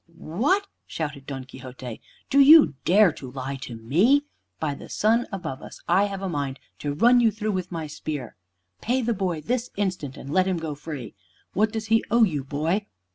"What!" shouted Don Quixote, "do you dare to lie to me? By the sun above us, I have a mind to run you through with my spear. Pay the boy this instant, and let him go free. What does he owe you, boy?"